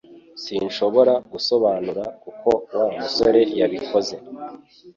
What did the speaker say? Sinshobora gusobanura uko Wa musore yabikoze